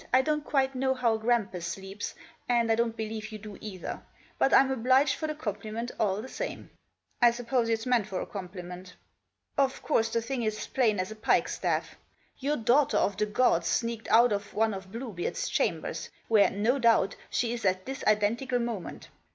I don't quite know how a grampus sleeps, and I don't believe you do either ; but I'm obliged for the compliment all the same. I suppose it's meant for a compliment. Of course the thing's as plain as a pikestaff. Your daughter Of the gads Staked Out Of One Of Bluebeard's chambers, where, no doubt, she is at this identical moment.